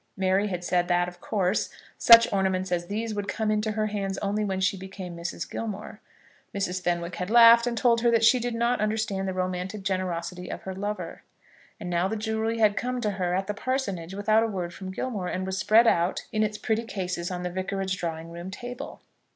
Mary had said that, of course, such ornaments as these would come into her hands only when she became Mrs. Gilmore. Mrs. Fenwick had laughed and told her that she did not understand the romantic generosity of her lover. And now the jewellery had come to her at the parsonage without a word from Gilmore, and was spread out in its pretty cases on the vicarage drawing room table.